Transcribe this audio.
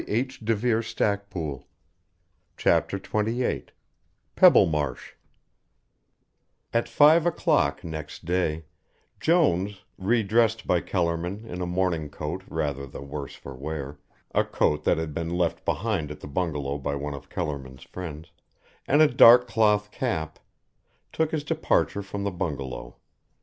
I'll arrange all that." CHAPTER XXVIII PEBBLEMARSH At five o'clock next day, Jones, re dressed by Kellerman in a morning coat rather the worse for wear a coat that had been left behind at the bungalow by one of Kellerman's friends and a dark cloth cap, took his departure from the bungalow.